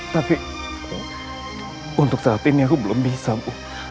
tapi untuk saat ini aku belum bisa